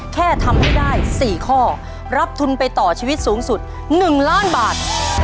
แค่ทำให้ได้๔ข้อรับทุนไปต่อชีวิตสูงสุด๑ล้านบาท